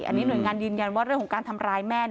อันนี้หน่วยงานยืนยันว่าเรื่องของการทำร้ายแม่